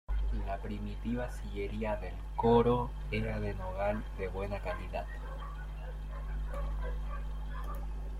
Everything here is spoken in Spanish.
La primitiva sillería del coro era de nogal de buena calidad.